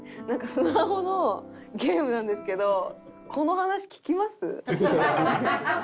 なんかスマホのゲームなんですけど。